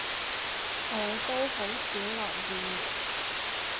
我都好少留意